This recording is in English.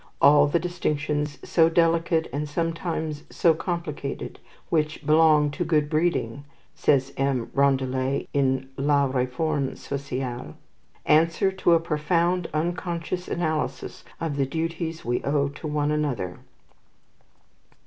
"All the distinctions, so delicate and sometimes so complicated, which belong to good breeding," says M. Rondalet in "La Reforme Sociale," "answer to a profound unconscious analysis of the duties we owe to one another."